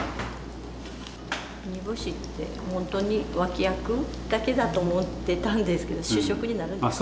煮干しってほんとに脇役だけだと思ってたんですけど主食になるんですね。